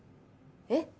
えっ？